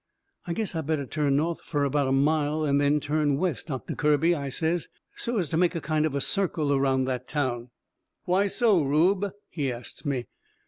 "I guess I better turn north fur about a mile and then turn west, Doctor Kirby," I says, "so as to make a kind of a circle around that town." "Why, so, Rube?" he asts me.